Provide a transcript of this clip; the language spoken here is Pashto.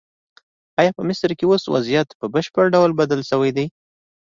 ایا په مصر کې اوس وضعیت په بشپړ ډول بدل شوی دی؟